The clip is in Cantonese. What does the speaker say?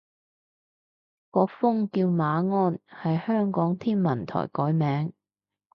個風叫馬鞍，係香港天文台改名